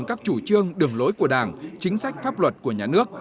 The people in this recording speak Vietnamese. các chủ trương đường lối của đảng chính sách pháp luật của nhà nước